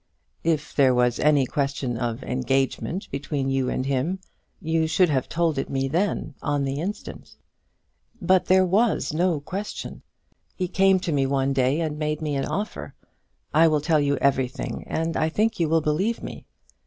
"If there was any question of engagement between you and him, you should have told it me then, on the instant." "But there was no question. He came to me one day and made me an offer. I will tell you everything, and I think you will believe me.